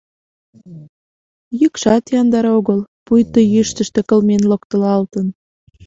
Йӱкшат яндар огыл, пуйто йӱштыштӧ кылмен локтылалтын.